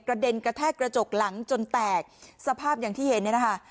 กระเด็นกระแทกกระจกหลังจนแตกสภาพอย่างที่เห็นเนี่ยนะคะ